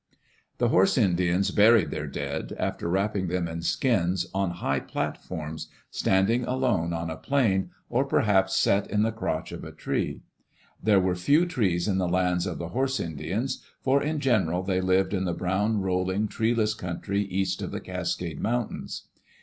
The horse Indians buried their dead, after wrapping them in skins, on high platforms, standing alone on a plain or perhaps set in the crotch of a tree. There were few trees in the lands of the horse Indians, for, in general, they lived in the brown, rolling, treeless country east of the Cascade mountains.